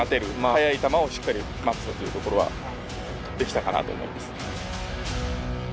速い球をしっかり待つというところはできたかなと思います。